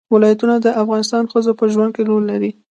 ولایتونه د افغان ښځو په ژوند کې رول لري.